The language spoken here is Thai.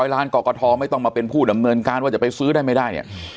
ล้านกรกฐไม่ต้องมาเป็นผู้ดำเนินการว่าจะไปซื้อได้ไม่ได้เนี่ย